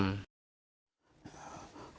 ส่วนนางรพีพันธ์แก้วสุวรรณ